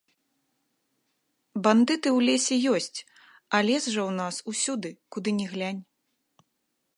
Бандыты ў лесе ёсць, а лес жа ў нас усюды, куды ні глянь.